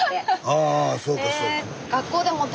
ああそうかそうか。